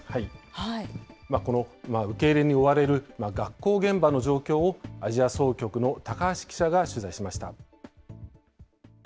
この受け入れに追われる学校現場の状況を、アジア総局の高橋記者が取材しました。